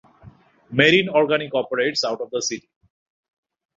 Marin Organic operates out of the city.